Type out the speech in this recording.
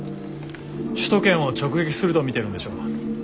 首都圏を直撃すると見てるんでしょう。